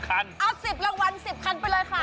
คันเอา๑๐รางวัล๑๐คันไปเลยค่ะ